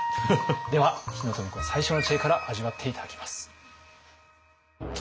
では日野富子最初の知恵から味わって頂きます。